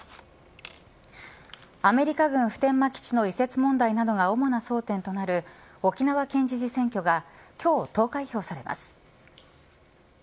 アメリカ軍、普天間基地の移設問題などが主な争点となる沖縄県知事選挙が今日投開票されます。